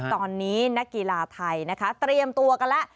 ตอนนี้นักกีฬาไทยนะคะเตรียมตัวกันแล้ว